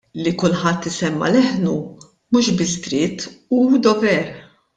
Li kulħadd isemma' leħnu mhux biss dritt, hu dover.